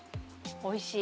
おいしい。